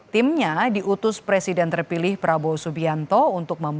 timnya diutus presiden terpilih prabowo subianto untuk memperbaiki